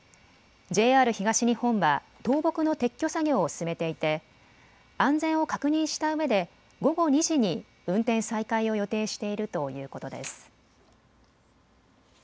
ＪＲ東日本は倒木の撤去作業を進めていて安全を確認したうえで午後２時に運転再開を予定しているということです。